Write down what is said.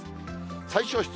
最小湿度。